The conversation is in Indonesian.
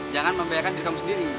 jangan membayarkan diri kamu sendiri ya